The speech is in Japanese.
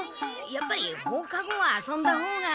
やっぱり放課後は遊んだほうが。